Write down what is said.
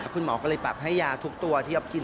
คุณหมอก็เลยปรับให้ยาทุกตัวที่อ๊อฟกิน